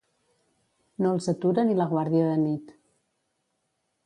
No els atura ni la Guàrdia de Nit.